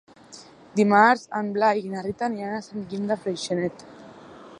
Dimarts en Blai i na Rita aniran a Sant Guim de Freixenet.